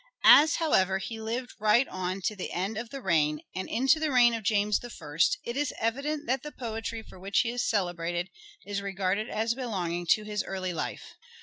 As, however, he lived right on to the end of the reign, and into the reign of James I, it is evident that the poetry for which he is celebrated is regarded as belonging to his early life.